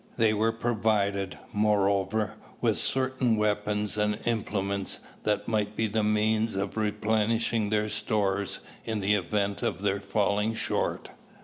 They were provided, moreover, with certain weapons and implements that might be the means of replenishing their stores in the event of their falling short.